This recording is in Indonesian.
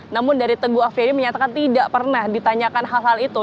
namun dari teguh afri menyatakan tidak pernah ditanyakan hal hal itu